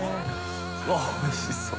Δ錣おいしそう。